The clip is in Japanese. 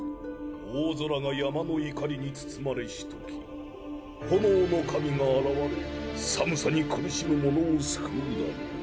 大空が山の怒りに包まれし時炎の神が現れ寒さに苦しむ者を救うだろう。